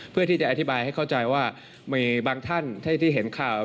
เพื่อที่จะอธิบายให้เข้าใจว่ามีบางท่านที่เห็นข่าว